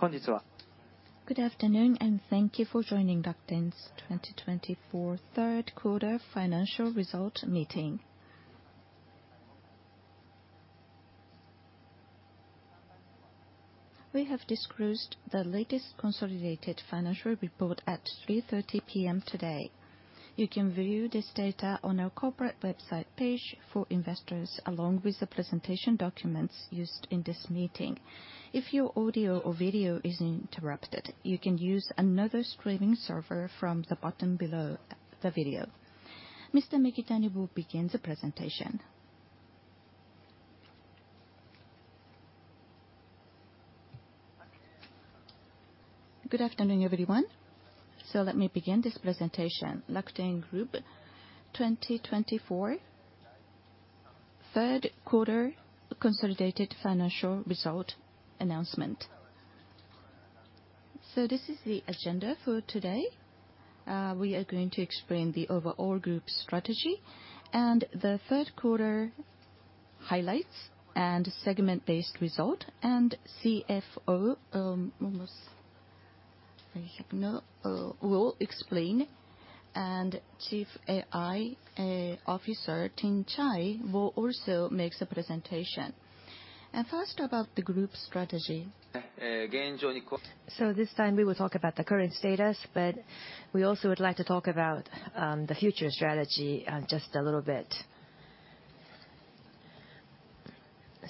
本日は。Good afternoon, and thank you for joining Rakuten's 2024 Third Quarter Financial Result Meeting. We have disclosed the latest consolidated financial report at 3:30 P.M. today. You can view this data on our corporate website page for investors, along with the presentation documents used in this meeting. If your audio or video is interrupted, you can use another streaming server from the button below the video. Mr. Mikitani, we'll begin the presentation. Good afternoon, everyone, so let me begin this presentation. Rakuten Group Hiroshi Mikitani, 2024 third quarter consolidated financial result announcement. So this is the agenda for today. We are going to explain the overall group strategy and the third quarter highlights and segment-based result, and CFO, we'll explain, and Chief AI Officer, Ting Cai, will also make the presentation, and first, about the group strategy. 現状。So this time we will talk about the current status, but we also would like to talk about the future strategy just a little bit.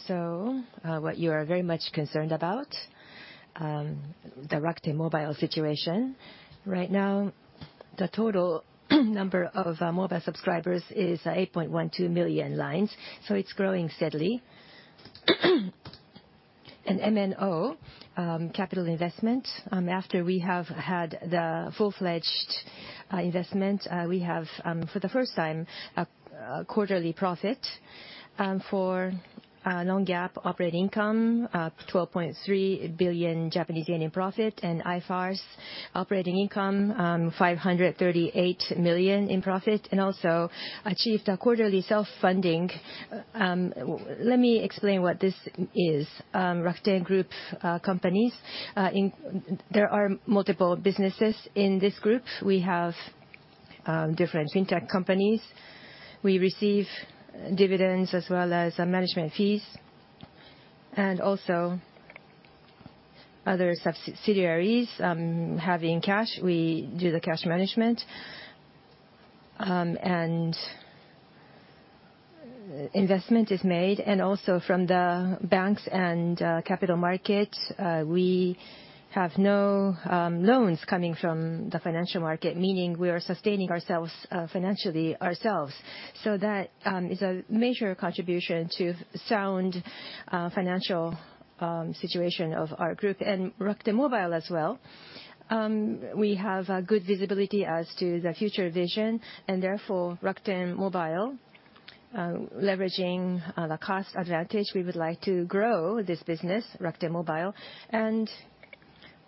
So what you are very much concerned about, the Rakuten Mobile situation. Right now, the total number of mobile subscribers is 8.12 million lines, so it's growing steadily. And MNO capital investment, after we have had the full-fledged investment, we have, for the first time, a quarterly profit for non-GAAP operating income, 12.3 billion Japanese yen in profit, and IFRS operating income, 538 million in profit, and also achieved a quarterly self-funding. Let me explain what this is. Rakuten Group companies, there are multiple businesses in this group. We have different fintech companies. We receive dividends as well as management fees. And also, other subsidiaries having cash, we do the cash management, and investment is made. And also, from the banks and capital markets, we have no loans coming from the financial market, meaning we are sustaining ourselves financially. So that is a major contribution to sound financial situation of our group. Rakuten Mobile as well, we have good visibility as to the future vision, and therefore, Rakuten Mobile, leveraging the cost advantage, we would like to grow this business, Rakuten Mobile. And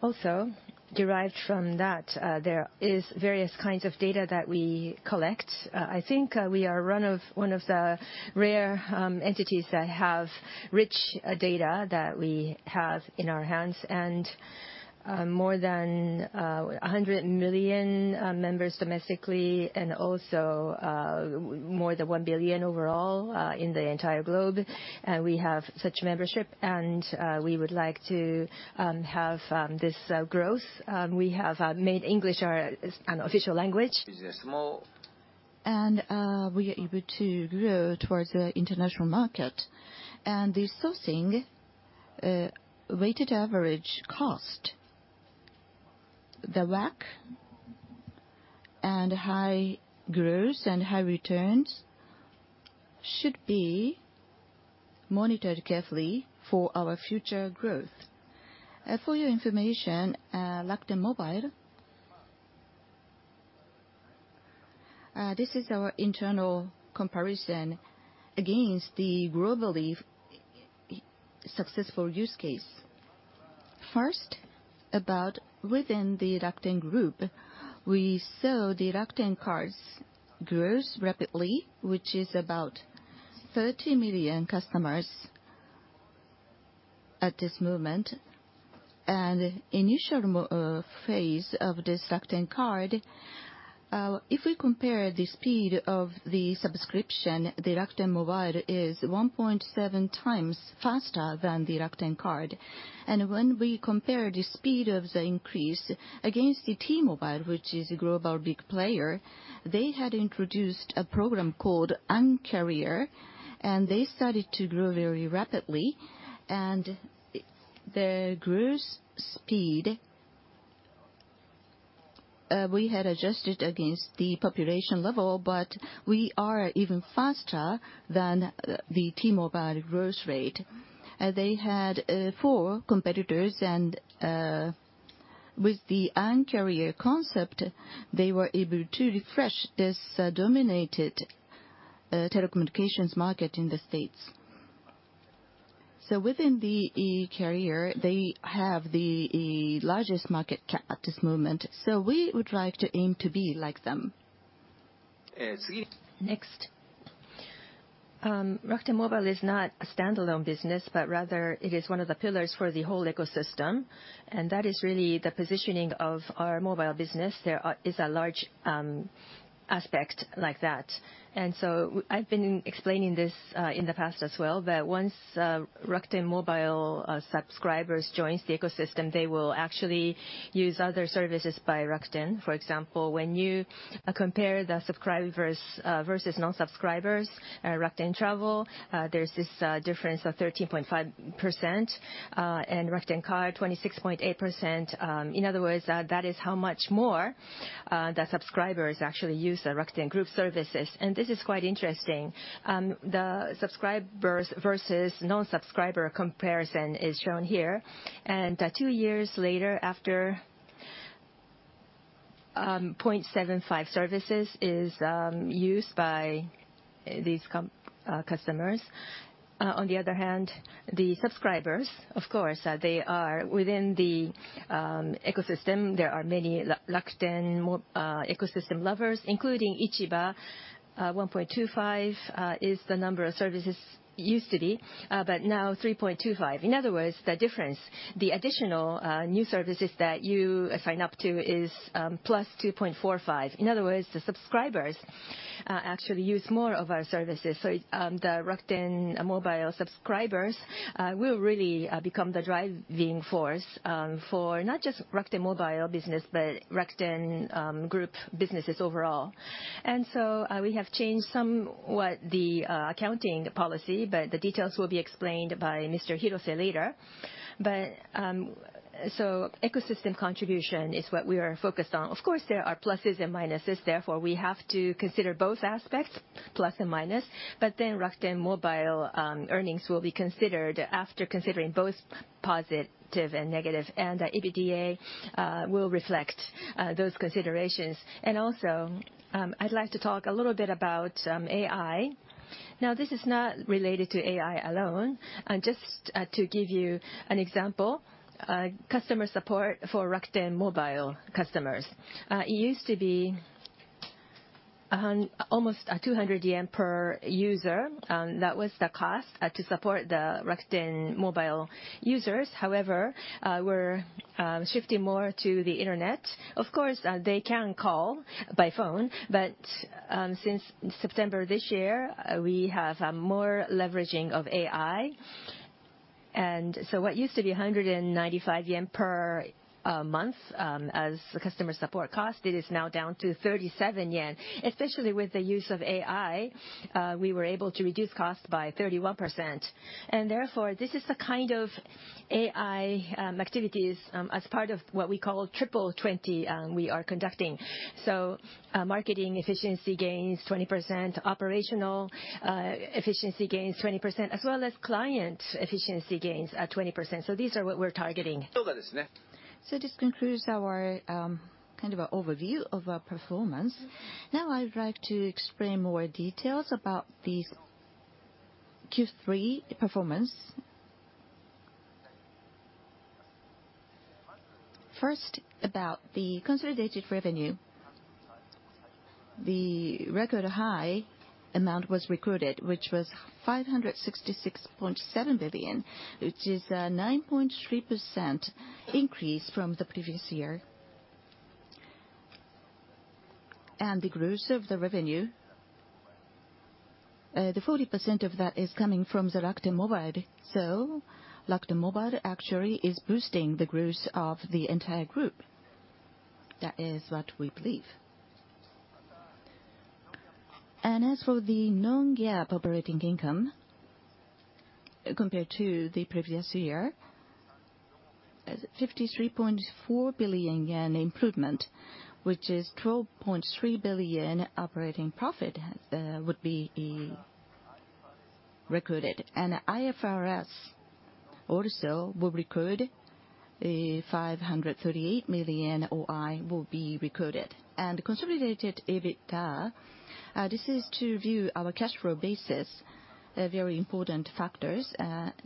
also, derived from that, there are various kinds of data that we collect. I think we are one of the rare entities that have rich data that we have in our hands, and more than 100 million members domestically, and also more than 1 billion overall in the entire globe. And we have such membership, and we would like to have this growth. We have made English our official language. Business. We are able to grow towards the international market. The sourcing weighted average cost, the WACC, and high growth and high returns should be monitored carefully for our future growth. For your information, Rakuten Mobile, this is our internal comparison against the globally successful use case. First, about within the Rakuten Group, we saw the Rakuten Card grow rapidly, which is about 30 million customers at this moment. The initial phase of this Rakuten Card, if we compare the speed of the subscription, the Rakuten Mobile is 1.7 times faster than the Rakuten Card. When we compare the speed of the increase against the T-Mobile, which is a global big player, they had introduced a program called Un-carrier, and they started to grow very rapidly. The growth speed, we had adjusted against the population level, but we are even faster than the T-Mobile growth rate. They had four competitors, and with the Un-carrier concept, they were able to refresh this dominated telecommunications market in the States. So within the carrier, they have the largest market cap at this moment. So we would like to aim to be like them. 次。Next. Rakuten Mobile is not a standalone business, but rather it is one of the pillars for the whole ecosystem, and that is really the positioning of our mobile business. There is a large aspect like that, and so I've been explaining this in the past as well. But once Rakuten Mobile subscribers join the ecosystem, they will actually use other services by Rakuten. For example, when you compare the subscribers versus non-subscribers, Rakuten Travel, there's this difference of 13.5%, and Rakuten Card, 26.8%. In other words, that is how much more the subscribers actually use the Rakuten Group services, and this is quite interesting. The subscribers versus non-subscriber comparison is shown here, and two years later, after 75% services is used by these customers. On the other hand, the subscribers, of course, they are within the ecosystem. There are many Rakuten ecosystem lovers, including Ichiba. 1.25% is the number of services used to be, but now 3.25%. In other words, the difference, the additional new services that you sign up to is plus 2.45%. In other words, the subscribers actually use more of our services. So the Rakuten Mobile subscribers will really become the driving force for not just Rakuten Mobile business, but Rakuten Group businesses overall. And so we have changed somewhat the accounting policy, but the details will be explained by Mr. Hirose later. But so ecosystem contribution is what we are focused on. Of course, there are pluses and minuses. Therefore, we have to consider both aspects, plus and minus. But then Rakuten Mobile earnings will be considered after considering both positive and negative. And the EBITDA will reflect those considerations. And also, I'd like to talk a little bit about AI. Now, this is not related to AI alone. Just to give you an example, customer support for Rakuten Mobile customers. It used to be almost 200 yen per user. That was the cost to support the Rakuten Mobile users. However, we're shifting more to the internet. Of course, they can call by phone, but since September this year, we have more leveraging of AI. And so what used to be 195 yen per month as customer support cost, it is now down to 37 yen. Especially with the use of AI, we were able to reduce cost by 31%. And therefore, this is the kind of AI activities as part of what we call Triple 20 we are conducting. So marketing efficiency gains 20%, operational efficiency gains 20%, as well as client efficiency gains at 20%. So these are what we're targeting. So this concludes our kind of an overview of our performance. Now, I'd like to explain more details about the Q3 performance. First, about the consolidated revenue. The record high amount was recorded, which was 566.7 billion, which is a 9.3% increase from the previous year. And the growth of the revenue, the 40% of that is coming from the Rakuten Mobile. So Rakuten Mobile actually is boosting the growth of the entire group. That is what we believe. And as for the non-GAAP operating income, compared to the previous year, 53.4 billion yen improvement, which is 12.3 billion operating profit would be recorded. And IFRS also will record 538 million OI will be recorded. And consolidated EBITDA, this is to view our cash flow basis, very important factors,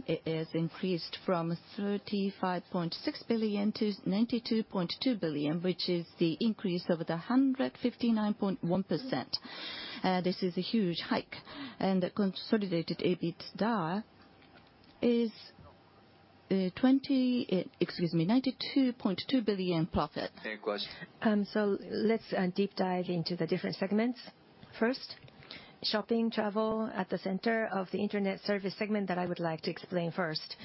is increased from 35.6 billion to 92.2 billion, which is the increase of 159.1%. This is a huge hike. And the consolidated EBITDA is 92.2 billion profit. So let's deep dive into the different segments. First, shopping, travel at the center of the internet service segment that I would like to explain first.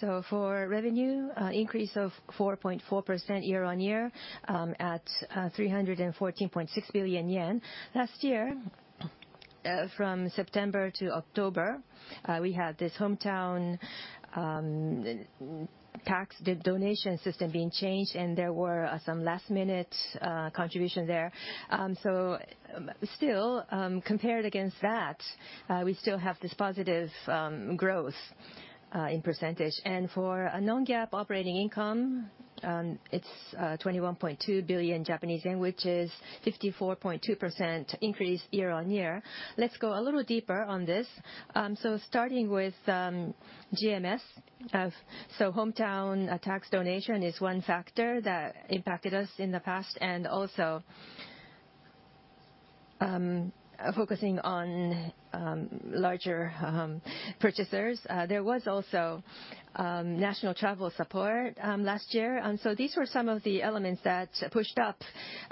So for revenue, increase of 4.4% year on year at 314.6 billion yen. Last year, from September to October, we had this hometown tax donation system being changed, and there were some last-minute contributions there. So still, compared against that, we still have this positive growth in percentage. And for non-GAAP operating income, it's 21.2 billion Japanese yen, which is 54.2% increase year on year. Let's go a little deeper on this. So starting with GMS, so hometown tax donation is one factor that impacted us in the past, and also focusing on larger purchasers. There was also national travel support last year. And so these were some of the elements that pushed up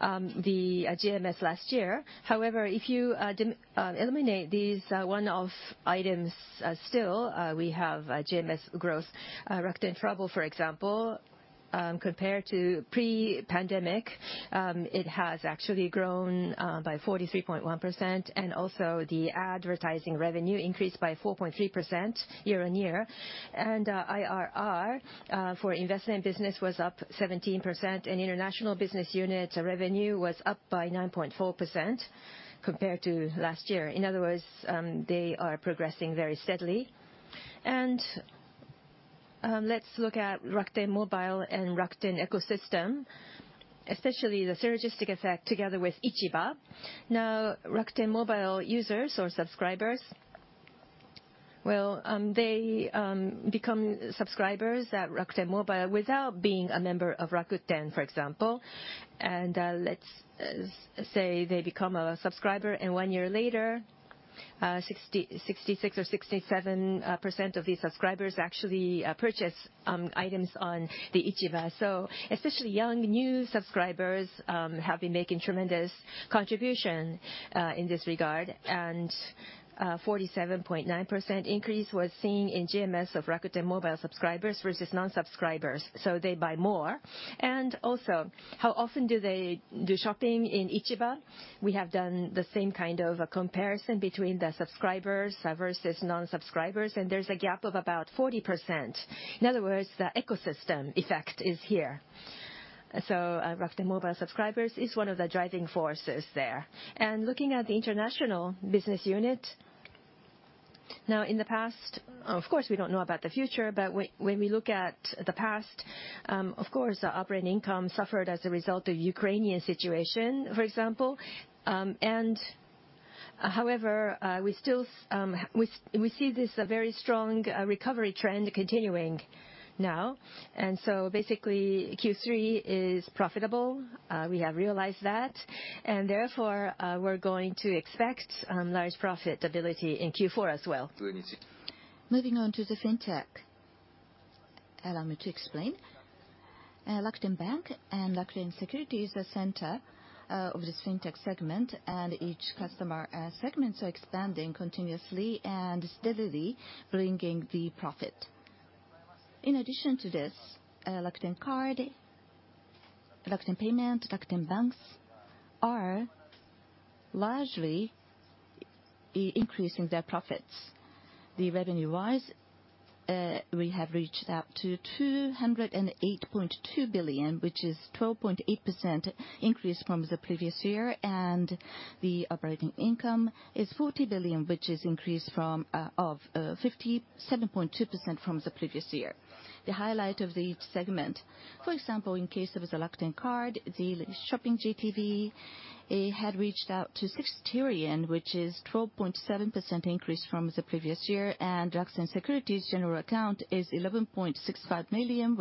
the GMS last year. However, if you eliminate these one-off items, still, we have GMS growth. Rakuten Travel, for example, compared to pre-pandemic, it has actually grown by 43.1%, and also the advertising revenue increased by 4.3% year on year. And IRR for investment business was up 17%, and international business unit revenue was up by 9.4% compared to last year. In other words, they are progressing very steadily. And let's look at Rakuten Mobile and Rakuten ecosystem, especially the synergistic effect together with Ichiba. Now, Rakuten Mobile users or subscribers, well, they become subscribers at Rakuten Mobile without being a member of Rakuten, for example. And let's say they become a subscriber, and one year later, 66% or 67% of these subscribers actually purchase items on the Ichiba. So especially young new subscribers have been making tremendous contributions in this regard. And a 47.9% increase was seen in GMS of Rakuten Mobile subscribers versus non-subscribers. So they buy more. And also, how often do they do shopping in Ichiba? We have done the same kind of comparison between the subscribers versus non-subscribers, and there's a gap of about 40%. In other words, the ecosystem effect is here. So Rakuten Mobile subscribers is one of the driving forces there. And looking at the international business unit, now, in the past, of course, we don't know about the future, but when we look at the past, of course, our operating income suffered as a result of the Ukrainian situation, for example. And however, we see this very strong recovery trend continuing now. And so basically, Q3 is profitable. We have realized that. And therefore, we're going to expect large profitability in Q4 as well. Moving on to the Fintech, allow me to explain. Rakuten Bank and Rakuten Securities are centered over this fintech segment, and each customer segment is expanding continuously and steadily bringing the profit. In addition to this, Rakuten Card, Rakuten Payment, Rakuten Bank are largely increasing their profits. Revenue-wise, we have reached up to 208.2 billion, which is a 12.8% increase from the previous year. The operating income is 40 billion, which is an increase of 57.2% from the previous year. The highlight of each segment, for example, in case of the Rakuten Card, the shopping GTV had reached out to JPY 60 trillion, which is a 12.7% increase from the previous year. Rakuten Securities' general account is 11.65 million,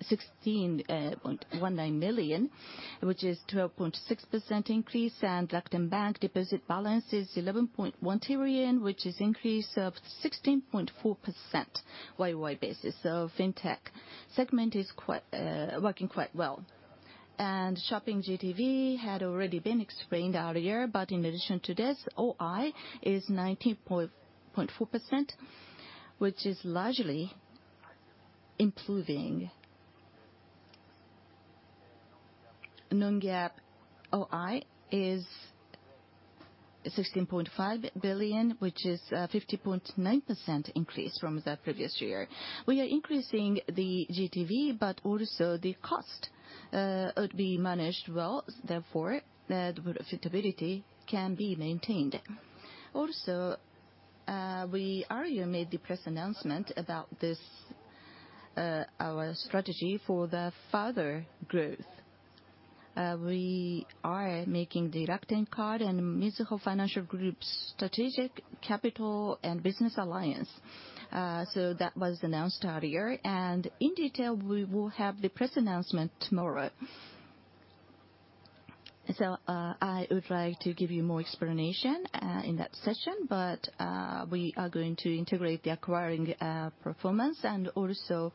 which is an increase of 20.3% YoY basis. And NISA accounts, and Rakuten Securities' deposit asset is JPY 32.2 trillion, which is a 39.1% increase YoY basis. Rakuten Bank accounts number is exceeding 16.19 million, which is a 12.6% increase. Rakuten Bank deposit balance is JPY 11.1 trillion, which is an increase of 16.4% YoY basis. Fintech segment is working quite well. Shopping GTV had already been explained earlier, but in addition to this, OI is 19.4%, which is largely improving. Non-GAAP OI is 16.5 billion, which is a 50.9% increase from the previous year. We are increasing the GTV, but also the cost would be managed well. Therefore, that profitability can be maintained. We earlier made the press announcement about our strategy for the further growth. We are making the Rakuten Card and Mizuho Financial Group's strategic capital and business alliance. That was announced earlier. In detail, we will have the press announcement tomorrow. So I would like to give you more explanation in that session, but we are going to integrate the acquiring performance. And also,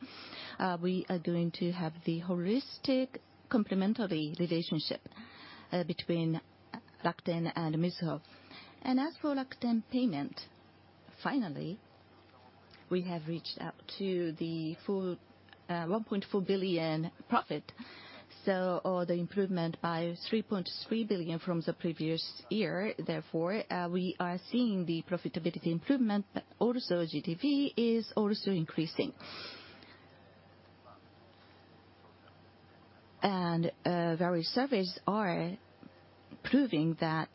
we are going to have the holistic complementary relationship between Rakuten and Mizuho. And as for Rakuten Payment, finally, we have reached out to the 1.4 billion profit. So the improvement by 3.3 billion from the previous year. Therefore, we are seeing the profitability improvement, but also GTV is also increasing. And various surveys are proving that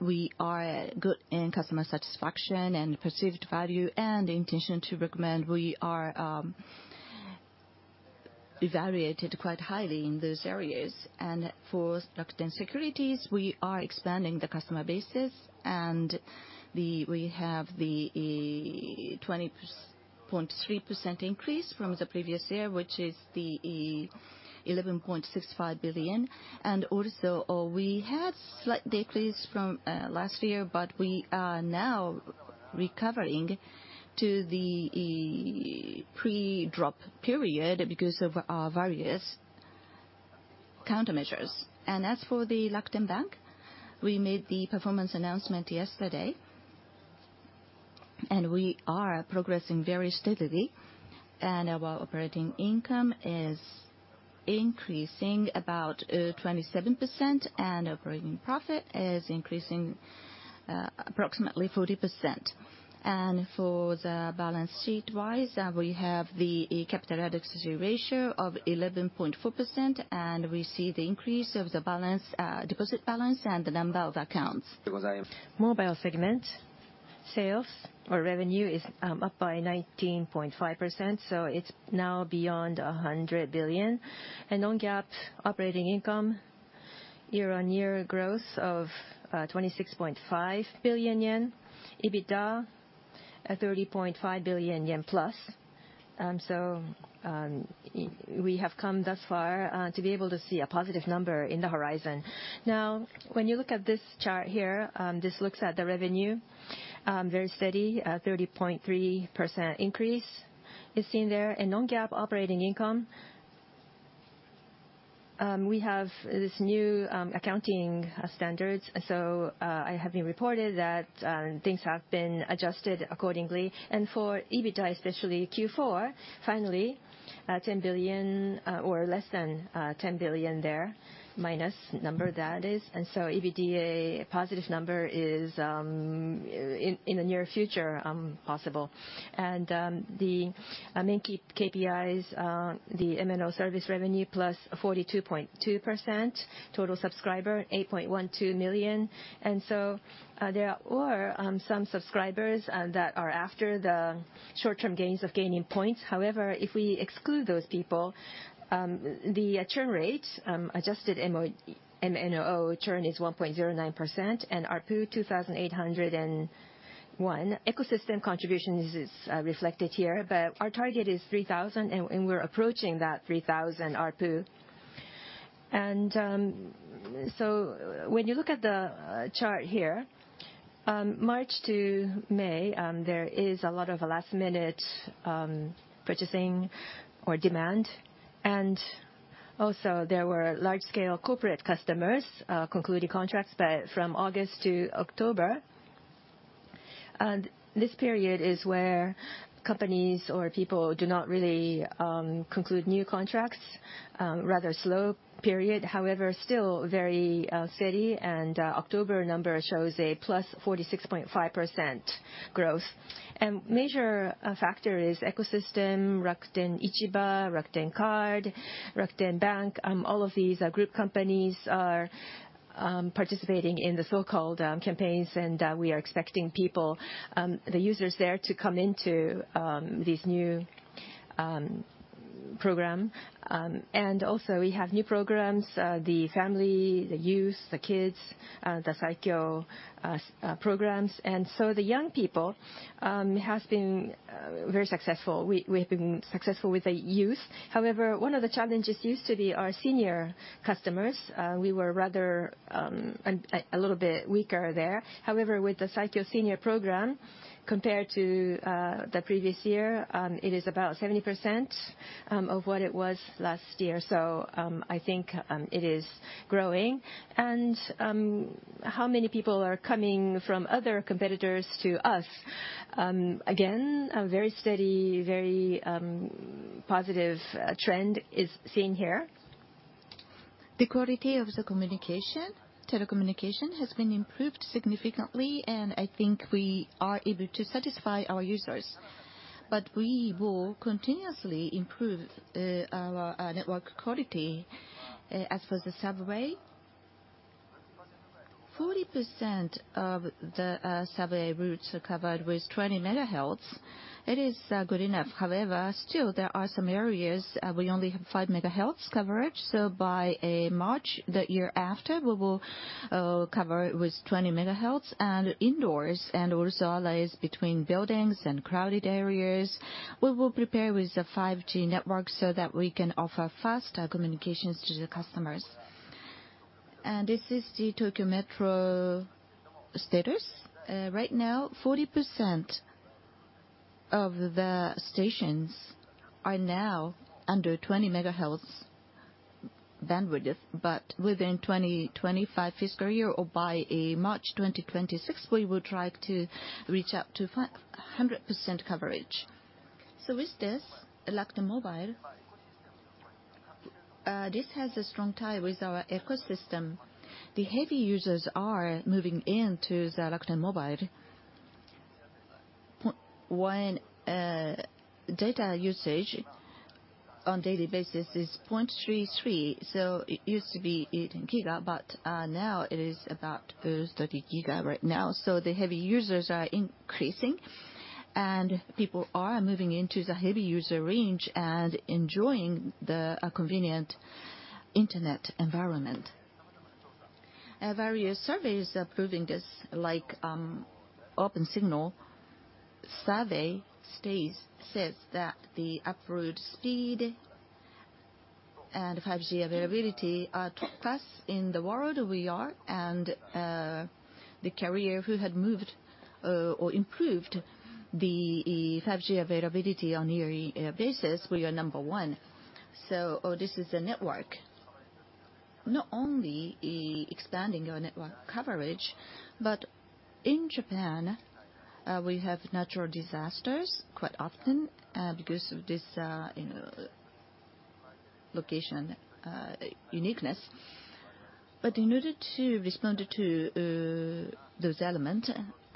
we are good in customer satisfaction and perceived value and intention to recommend. We are evaluated quite highly in those areas. And for Rakuten Securities, we are expanding the customer base, and we have the 20.3% increase from the previous year, which is the 11.65 million. And also, we had a slight decrease from last year, but we are now recovering to the pre-drop period because of our various countermeasures. As for the Rakuten Bank, we made the performance announcement yesterday, and we are progressing very steadily. Our operating income is increasing about 27%, and operating profit is increasing approximately 40%. For the balance sheet-wise, we have the capital adequacy ratio of 11.4%, and we see the increase of the balance deposit balance and the number of accounts. Mobile segment, sales or revenue is up by 19.5%. It's now beyond 100 billion. Non-GAAP operating income, year-on-year growth of 26.5 billion yen. EBITDA, 30.5 billion yen plus. We have come thus far to be able to see a positive number in the horizon. Now, when you look at this chart here, this looks at the revenue, very steady, a 30.3% increase is seen there. Non-GAAP operating income, we have this new accounting standards. It has been reported that things have been adjusted accordingly. For EBITDA, especially Q4, finally 10 billion or less than 10 billion there, minus number that is. EBITDA, positive number is in the near future possible. The main KPIs, the M&O service revenue plus 42.2%, total subscriber 8.12 million. There are some subscribers that are after the short-term gains of gaining points. However, if we exclude those people, the churn rate, adjusted MNO churn is 1.09%, and ARPU 2,801. Ecosystem contribution is reflected here, but our target is 3,000, and we're approaching that 3,000 ARPU. When you look at the chart here, March to May, there is a lot of last-minute purchasing or demand. Also, there were large-scale corporate customers concluding contracts, but from August to October, this period is where companies or people do not really conclude new contracts, rather slow period. However, still very steady. October number shows a plus 46.5% growth. Major factor is ecosystem, Rakuten Ichiba, Rakuten Card, Rakuten Bank. All of these group companies are participating in the so-called campaigns, and we are expecting people, the users there to come into these new programs. Also, we have new programs, the family, the youth, the kids, the Saikyo programs. The young people have been very successful. We have been successful with the youth. However, one of the challenges used to be our senior customers. We were rather a little bit weaker there. However, with the Saikyo senior program, compared to the previous year, it is about 70% of what it was last year. I think it is growing. How many people are coming from other competitors to us? Again, a very steady, very positive trend is seen here. The quality of the communication, telecommunication has been improved significantly, and I think we are able to satisfy our users. But we will continuously improve our network quality. As for the subway, 40% of the subway routes are covered with 20 MHz. It is good enough. However, still, there are some areas we only have 5 MHz coverage. So by March, the year after, we will cover with 20 MHz and indoors and also alleys between buildings and crowded areas. We will prepare with a 5G network so that we can offer fast communications to the customers. And this is the Tokyo Metro status. Right now, 40% of the stations are now under 20 MHz bandwidth, but within 2025 fiscal year or by March 2026, we will try to reach up to 100% coverage. So with this, Rakuten Mobile, this has a strong tie with our ecosystem. The heavy users are moving into the Rakuten Mobile. When data usage on a daily basis is 0.33, so it used to be 18 giga, but now it is about 30 giga right now, so the heavy users are increasing, and people are moving into the heavy user range and enjoying the convenient internet environment. Various surveys are proving this, like OpenSignal survey says that the upload speed and 5G availability are top class in the world, we are, and the carrier who had moved or improved the 5G availability on a yearly basis, we are number one, so this is a network not only expanding our network coverage, but in Japan, we have natural disasters quite often because of this location uniqueness, but in order to respond to those elements,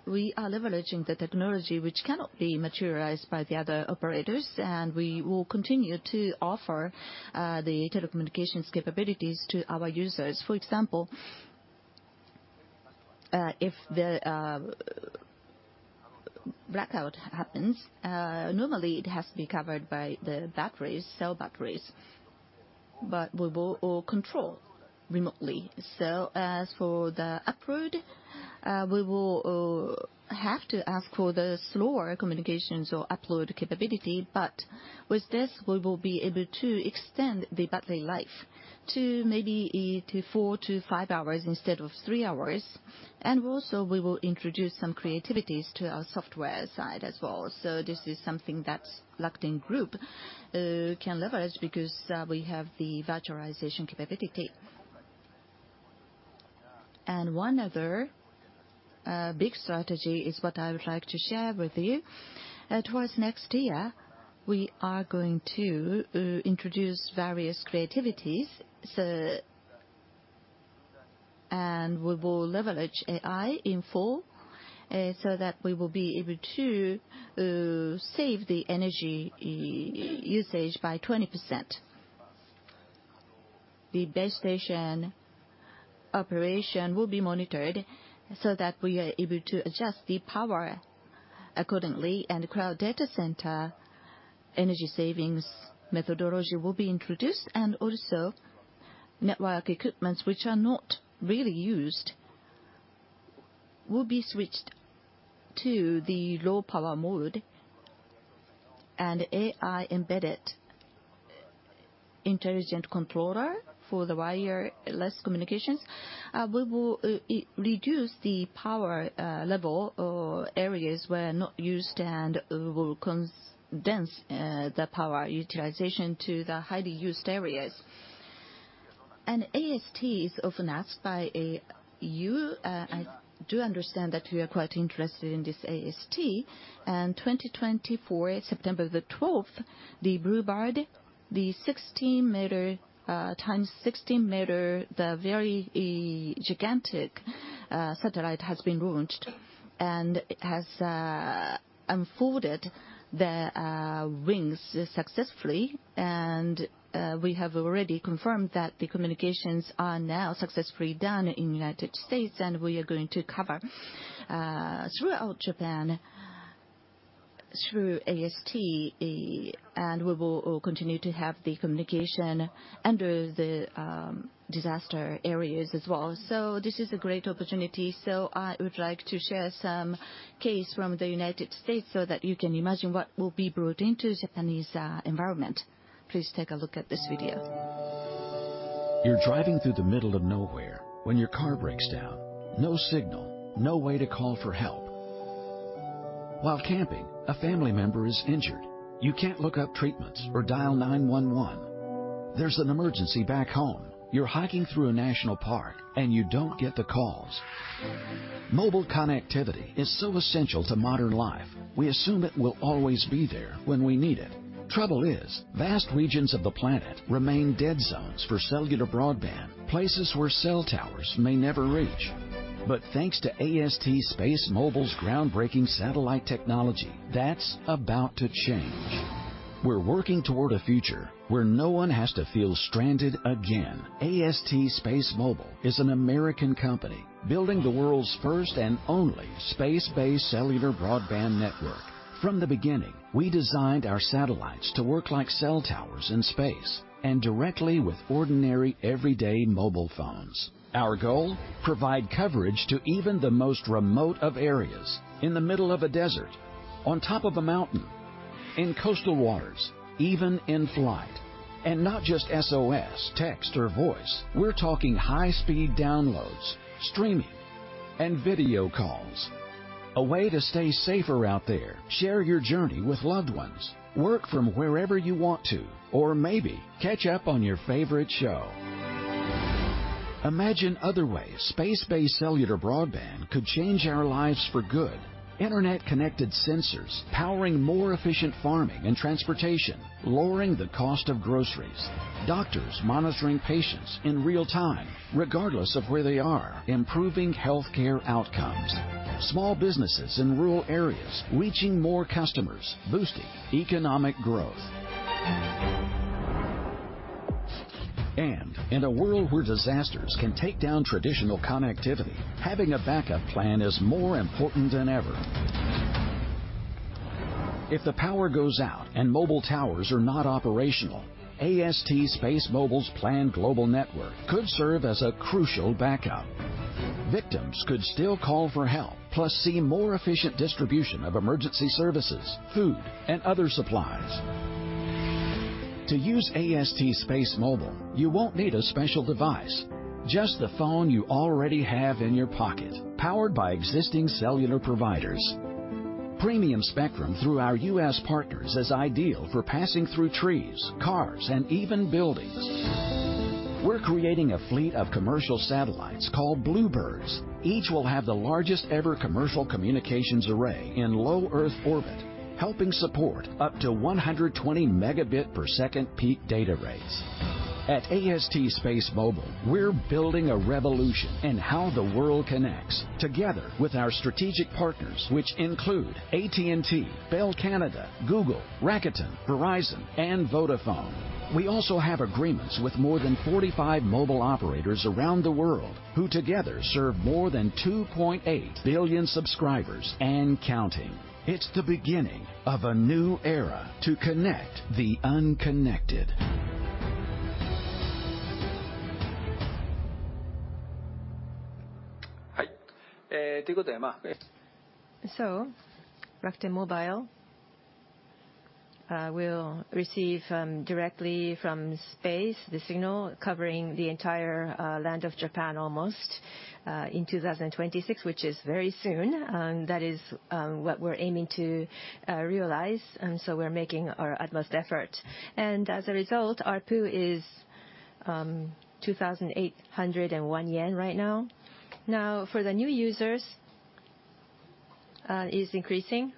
we are leveraging the technology, which cannot be materialized by the other operators. And we will continue to offer the telecommunications capabilities to our users. For example, if the blackout happens, normally it has to be covered by the batteries, cell batteries, but we will control remotely. So as for the uplink, we will have to ask for the slower communications or upload capability. But with this, we will be able to extend the battery life to maybe four to five hours instead of three hours. And also, we will introduce some creativities to our software side as well. So this is something that Rakuten Group can leverage because we have the virtualization capability. And one other big strategy is what I would like to share with you. Towards next year, we are going to introduce various creativities. And we will leverage AI in full so that we will be able to save the energy usage by 20%. The base station operation will be monitored so that we are able to adjust the power accordingly. And the cloud data center energy savings methodology will be introduced. And also, network equipments, which are not really used, will be switched to the low power mode and AI embedded intelligent controller for the wireless communications. We will reduce the power level or areas where not used, and we will condense the power utilization to the highly used areas. And AST is often asked by you. I do understand that you are quite interested in this AST. And 2024, September the 12th, the BlueBird, the 16-meter times 16-meter, the very gigantic satellite has been launched and has unfolded the wings successfully. And we have already confirmed that the communications are now successfully done in the United States, and we are going to cover throughout Japan through AST. We will continue to have the communication under the disaster areas as well. This is a great opportunity. I would like to share some case from the United States so that you can imagine what will be brought into the Japanese environment. Please take a look at this video. You're driving through the middle of nowhere when your car breaks down. No signal, no way to call for help. While camping, a family member is injured. You can't look up treatments or dial 911. There's an emergency back home. You're hiking through a national park, and you don't get the calls. Mobile connectivity is so essential to modern life. We assume it will always be there when we need it. Trouble is, vast regions of the planet remain dead zones for cellular broadband, places where cell towers may never reach. But thanks to AST SpaceMobile's groundbreaking satellite technology, that's about to change. We're working toward a future where no one has to feel stranded again. AST SpaceMobile is an American company building the world's first and only space-based cellular broadband network. From the beginning, we designed our satellites to work like cell towers in space and directly with ordinary everyday mobile phones. Our goal: provide coverage to even the most remote of areas, in the middle of a desert, on top of a mountain, in coastal waters, even in flight. And not just SOS, text, or voice. We're talking high-speed downloads, streaming, and video calls. A way to stay safer out there, share your journey with loved ones, work from wherever you want to, or maybe catch up on your favorite show. Imagine other ways space-based cellular broadband could change our lives for good. Internet-connected sensors powering more efficient farming and transportation, lowering the cost of groceries. Doctors monitoring patients in real time, regardless of where they are, improving healthcare outcomes. Small businesses in rural areas reaching more customers, boosting economic growth. And in a world where disasters can take down traditional connectivity, having a backup plan is more important than ever. If the power goes out and mobile towers are not operational, AST SpaceMobile's planned global network could serve as a crucial backup. Victims could still call for help, plus see more efficient distribution of emergency services, food, and other supplies. To use AST SpaceMobile, you won't need a special device, just the phone you already have in your pocket, powered by existing cellular providers. Premium spectrum through our U.S. partners is ideal for passing through trees, cars, and even buildings. We're creating a fleet of commercial satellites called BlueBirds. Each will have the largest ever commercial communications array in low Earth orbit, helping support up to 120 Mbps peak data rates. At AST SpaceMobile, we're building a revolution in how the world connects, together with our strategic partners, which include AT&T, Bell Canada, Google, Rakuten, Verizon, and Vodafone. We also have agreements with more than 45 mobile operators around the world who together serve more than 2.8 billion subscribers and counting. It's the beginning of a new era to connect the unconnected. はい、ということで。Rakuten Mobile will receive directly from space the signal covering the entire land of Japan almost in 2026, which is very soon. That is what we're aiming to realize. We're making our utmost effort. As a result, ARPU is 2,801 yen right now. For the new users, it is increasing.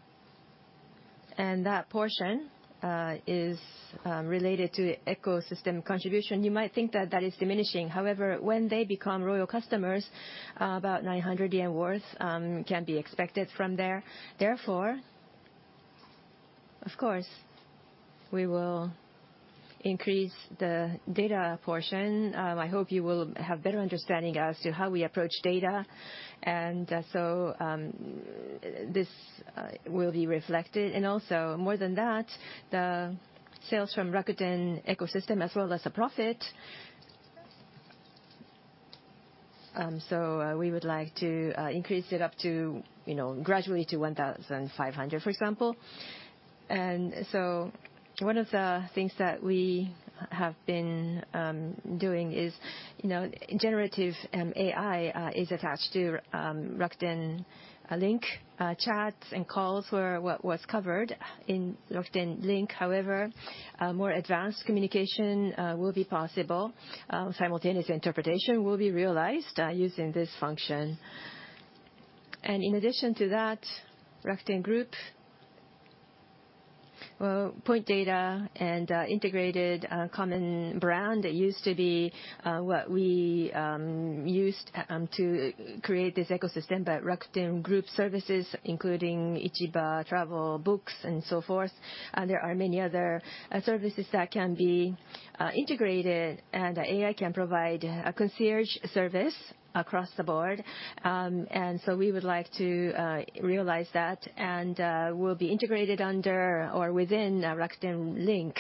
That portion is related to ecosystem contribution. You might think that that is diminishing. However, when they become loyal customers, about 900 yen worth can be expected from there. Therefore, of course, we will increase the data portion. I hope you will have a better understanding as to how we approach data, and so this will be reflected, and also, more than that, the sales from Rakuten ecosystem as well as the profit, so we would like to increase it up to gradually to 1,500, for example, and so one of the things that we have been doing is generative AI is attached to Rakuten Link. Chats and calls were what was covered in Rakuten Link. However, more advanced communication will be possible. Simultaneous interpretation will be realized using this function. And in addition to that, Rakuten Group, well, point data and integrated common brand used to be what we used to create this ecosystem. Rakuten Group services, including Ichiba, Travel, Books, and so forth, there are many other services that can be integrated. AI can provide a concierge service across the board. We would like to realize that and will be integrated under or within Rakuten Link.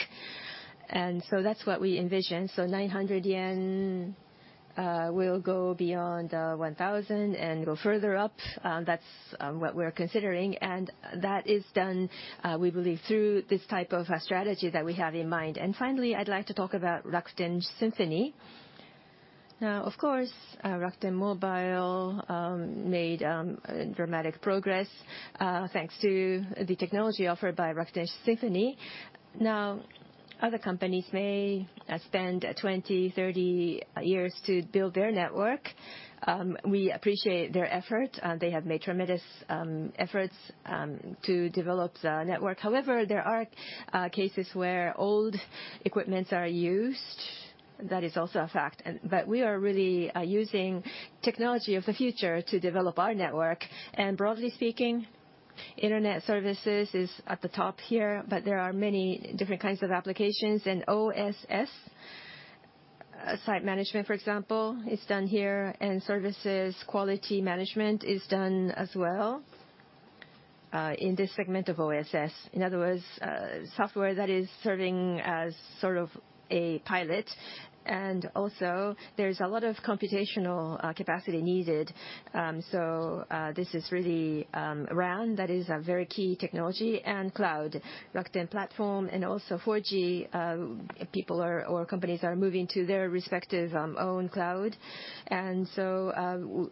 That's what we envision. 900 yen will go beyond 1,000 and go further up. That's what we're considering. That is done, we believe, through this type of strategy that we have in mind. Finally, I'd like to talk about Rakuten Symphony. Rakuten Mobile made dramatic progress thanks to the technology offered by Rakuten Symphony. Other companies may spend 20, 30 years to build their network. We appreciate their effort. They have made tremendous efforts to develop the network. However, there are cases where old equipment is used. That is also a fact. But we are really using technology of the future to develop our network. And broadly speaking, internet services is at the top here, but there are many different kinds of applications. And OSS, site management, for example, is done here. And services quality management is done as well in this segment of OSS. In other words, software that is serving as sort of a pilot. And also, there is a lot of computational capacity needed. So this is really RAN. That is a very key technology. And cloud, Rakuten platform. And also 4G, people or companies are moving to their respective own cloud. And so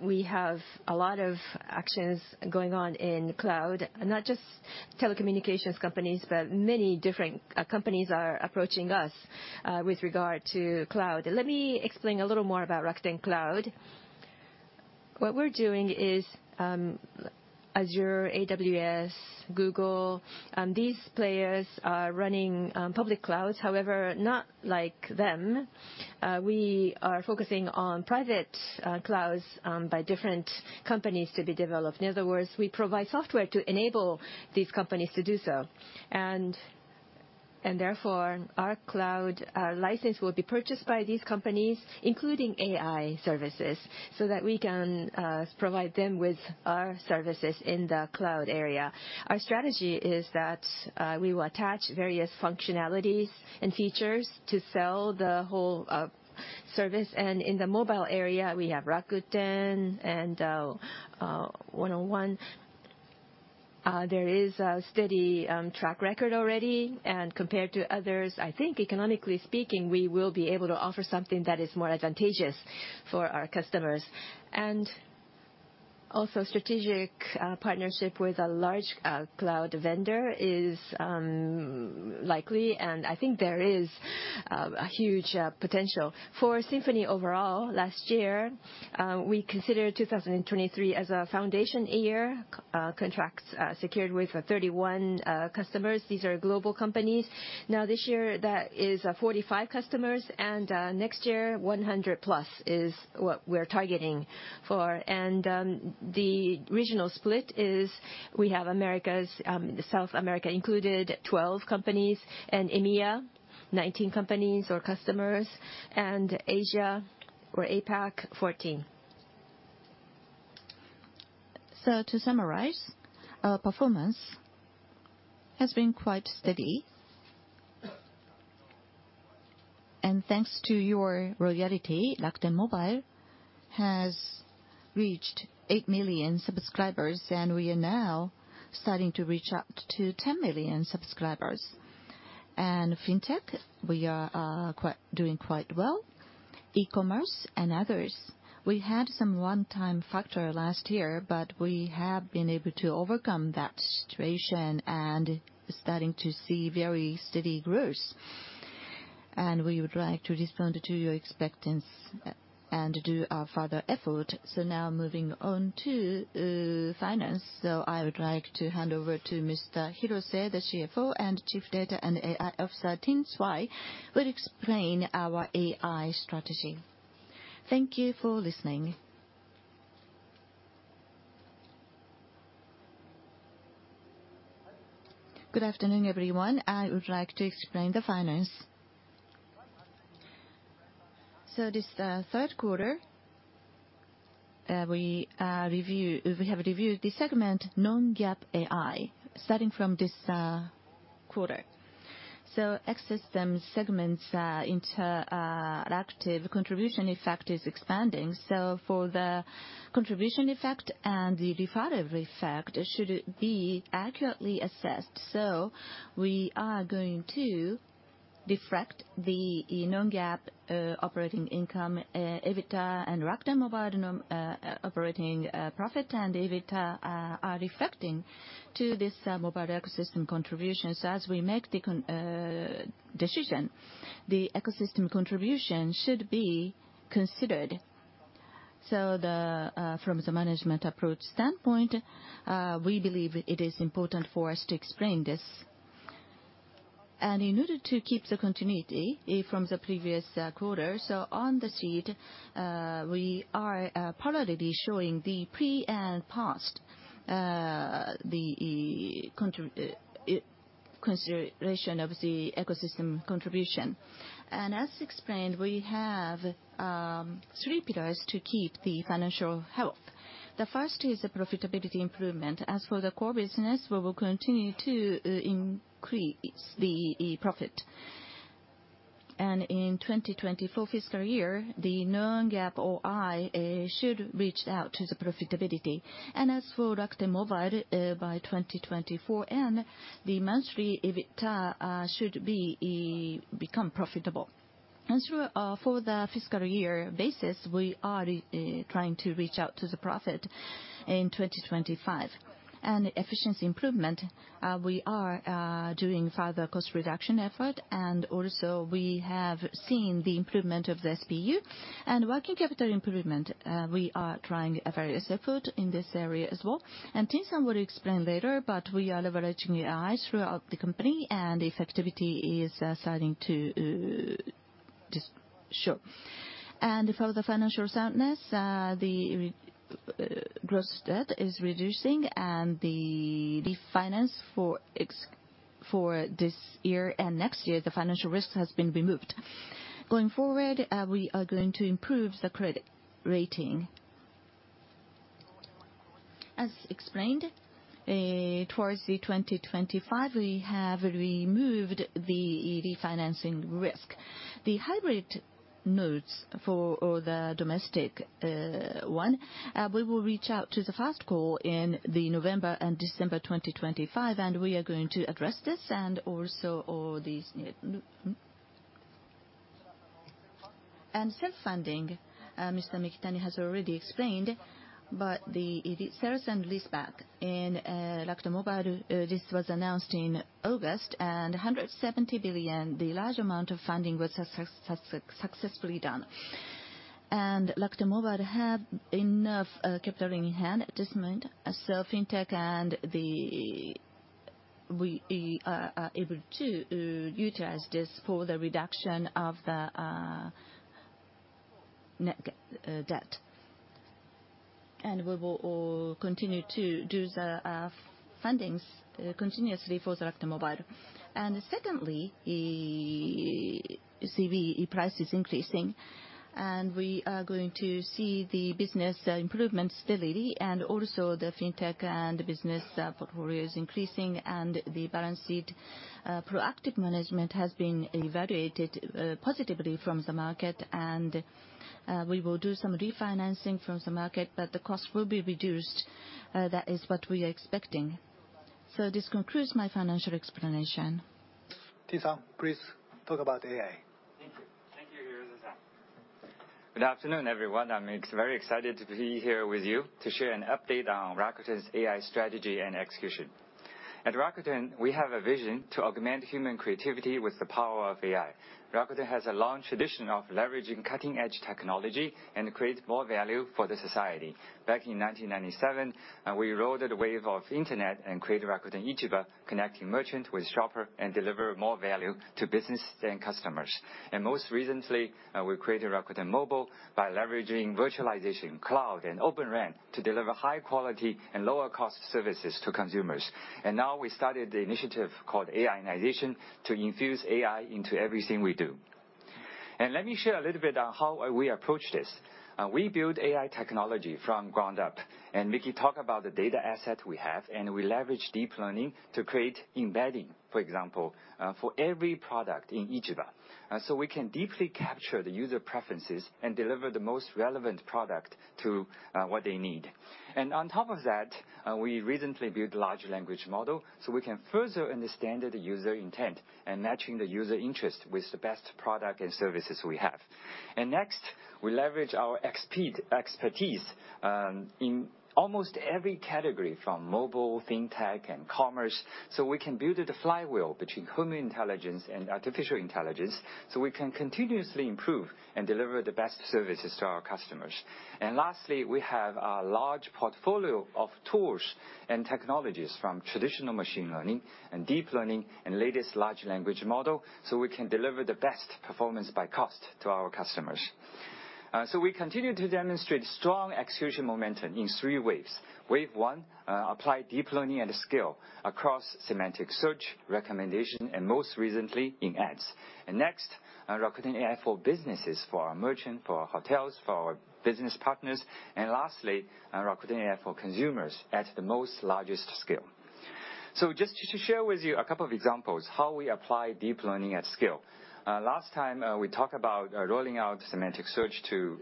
we have a lot of actions going on in cloud, not just telecommunications companies, but many different companies are approaching us with regard to cloud. Let me explain a little more about Rakuten Cloud. What we're doing is Azure, AWS, Google. These players are running public clouds. However, not like them. We are focusing on private clouds by different companies to be developed. In other words, we provide software to enable these companies to do so. And therefore, our cloud license will be purchased by these companies, including AI services, so that we can provide them with our services in the cloud area. Our strategy is that we will attach various functionalities and features to sell the whole service. And in the mobile area, we have Rakuten and 1&1. There is a steady track record already. And compared to others, I think economically speaking, we will be able to offer something that is more advantageous for our customers. And also, strategic partnership with a large cloud vendor is likely. And I think there is a huge potential. For Symphony overall, last year, we considered 2023 as a foundation year, contracts secured with 31 customers. These are global companies. Now, this year, that is 45 customers. And next year, 100+ is what we're targeting for. And the regional split is we have South America included 12 companies and EMEA 19 companies or customers and Asia or APAC 14. So to summarize, our performance has been quite steady. And thanks to your loyalty, Rakuten Mobile has reached 8 million subscribers, and we are now starting to reach up to 10 million subscribers. And fintech, we are doing quite well. E-commerce and others. We had some one-time factor last year, but we have been able to overcome that situation and starting to see very steady growth. And we would like to respond to your expectations and do our further effort. So now moving on to finance. So I would like to hand over to Mr. Hirose, the CFO, and Ting, the Chief Data and AI Officer, who will explain our AI strategy. Thank you for listening. Good afternoon, everyone. I would like to explain the finance. So this third quarter, we have reviewed the segment non-GAAP items starting from this quarter. So to assess the segments inter-segment contribution effect is expanding. So for the contribution effect and the deferred effect should be accurately assessed. So we are going to reflect the non-GAAP operating income, EBITDA, and Rakuten Mobile operating profit and EBITDA reflecting this mobile ecosystem contribution. So as we make the decision, the ecosystem contribution should be considered. So from the management approach standpoint, we believe it is important for us to explain this. In order to keep the continuity from the previous quarter, so on the sheet, we are probably showing the pre- and post-consideration of the ecosystem contribution. As explained, we have three pillars to keep the financial health. The first is the profitability improvement. As for the core business, we will continue to increase the profit. In 2024 fiscal year, the non-GAAP OI should reach out to the profitability. As for Rakuten Mobile by 2024, the monthly EBITDA should become profitable. For the fiscal year basis, we are trying to reach out to the profit in 2025. Efficiency improvement, we are doing further cost reduction effort. Also, we have seen the improvement of the SPU and working capital improvement. We are trying various efforts in this area as well. Ting, I will explain later, but we are leveraging AI throughout the company, and the effectivity is starting to show. For the financial soundness, the gross debt is reducing, and the financing for this year and next year, the financial risk has been removed. Going forward, we are going to improve the credit rating. As explained, towards 2025, we have removed the refinancing risk. The hybrid bonds for the domestic one, we will reach the first call in November and December 2025, and we are going to address this and also all these. Self-funding, Mr. Mikitani has already explained, but the sale and leaseback in Rakuten Mobile, this was announced in August, and 170 billion, the large amount of funding was successfully done. Rakuten Mobile has enough capital in hand at this moment. in fintech and then we are able to utilize this for the reduction of the debt. And we will continue to do the fundings continuously for the Rakuten Mobile. And secondly, share price is increasing, and we are going to see the business improvement stability and also the fintech and business portfolios increasing, and the balance sheet proactive management has been evaluated positively from the market. And we will do some refinancing from the market, but the cost will be reduced. That is what we are expecting. So this concludes my financial explanation. Ting Cai, please talk about AI. Thank you. Thank you, Hirose. Good afternoon, everyone. I'm very excited to be here with you to share an update on Rakuten's AI strategy and execution. At Rakuten, we have a vision to augment human creativity with the power of AI. Rakuten has a long tradition of leveraging cutting-edge technology and creates more value for the society. Back in 1997, we rode the wave of internet and created Rakuten Ichiba, connecting merchant with shopper and delivering more value to business and customers, and most recently, we created Rakuten Mobile by leveraging virtualization, cloud, and Open RAN to deliver high-quality and lower-cost services to consumers, and now we started the initiative called AI-nization to infuse AI into everything we do, and let me share a little bit on how we approach this. We build AI technology from ground up, and we can talk about the data asset we have, and we leverage deep learning to create embedding, for example, for every product in Ichiba, so we can deeply capture the user preferences and deliver the most relevant product to what they need. And on top of that, we recently built a large language model so we can further understand the user intent and matching the user interest with the best product and services we have. And next, we leverage our expertise in almost every category from mobile, fintech, and commerce so we can build the flywheel between human intelligence and artificial intelligence so we can continuously improve and deliver the best services to our customers. And lastly, we have a large portfolio of tools and technologies from traditional machine learning and deep learning and latest large language model so we can deliver the best performance by cost to our customers. So we continue to demonstrate strong execution momentum in three waves. Wave one, apply deep learning at a scale across semantic search, recommendation, and most recently in ads. Next, Rakuten AI for businesses, for our merchant, for our hotels, for our business partners. Lastly, Rakuten AI for consumers at the most largest scale. Just to share with you a couple of examples of how we apply deep learning at scale. Last time, we talked about rolling out semantic search to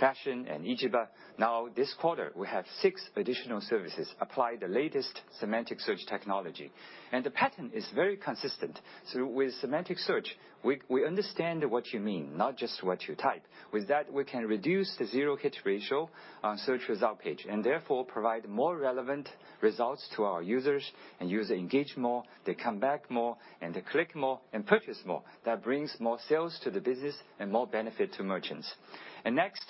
fashion and Ichiba. Now, this quarter, we have six additional services applying the latest semantic search technology. The pattern is very consistent. With semantic search, we understand what you mean, not just what you type. With that, we can reduce the zero-hit ratio on search result page and therefore provide more relevant results to our users and users engage more. They come back more and they click more and purchase more. That brings more sales to the business and more benefit to merchants. Next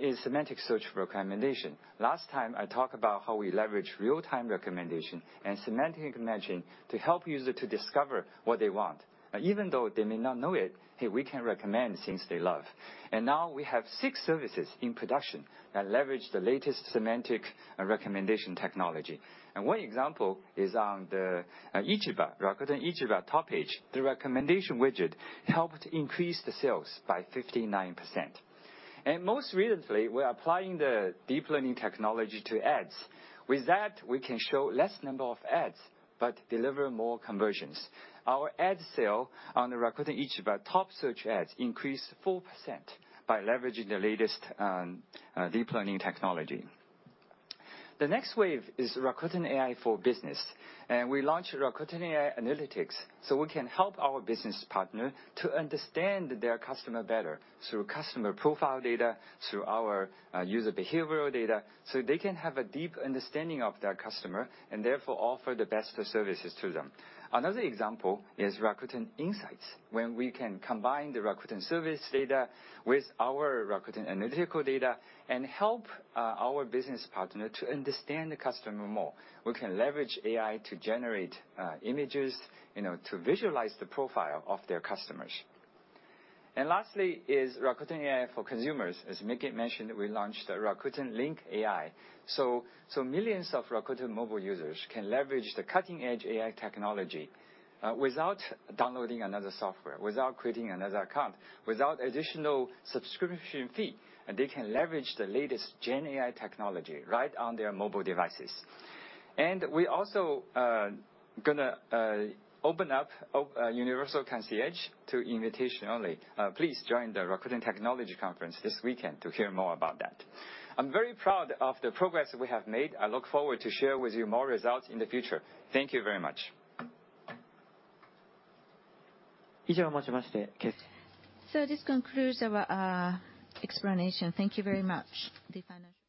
is semantic search recommendation. Last time, I talked about how we leverage real-time recommendation and semantic matching to help users to discover what they want. Even though they may not know it, hey, we can recommend things they love. And now we have six services in production that leverage the latest semantic recommendation technology. And one example is on the Ichiba, Rakuten Ichiba top page. The recommendation widget helped increase the sales by 59%. And most recently, we're applying the deep learning technology to ads. With that, we can show less number of ads but deliver more conversions. Our ad sale on the Rakuten Ichiba top search ads increased 4% by leveraging the latest deep learning technology. The next wave is Rakuten AI for Business. And we launched Rakuten AI Analytics so we can help our business partner to understand their customer better through customer profile data, through our user behavioral data, so they can have a deep understanding of their customer and therefore offer the best services to them. Another example is Rakuten Insight, when we can combine the Rakuten service data with our Rakuten Analytics data and help our business partner to understand the customer more. We can leverage AI to generate images to visualize the profile of their customers. And lastly is Rakuten AI for consumers. As Mikitani mentioned, we launched Rakuten Link AI. So millions of Rakuten Mobile users can leverage the cutting-edge AI technology without downloading another software, without creating another account, without additional subscription fee. And they can leverage the latest Gen AI technology right on their mobile devices. And we're also going to open up Universal Concierge to invitation only. Please join the Rakuten Technology Conference this weekend to hear more about that. I'm very proud of the progress we have made. I look forward to share with you more results in the future. Thank you very much. 以上を持ちまして。So this concludes our explanation. Thank you very much. The financial.